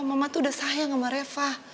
mama tuh udah sayang sama reva